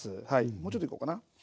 もうちょっといこうかな。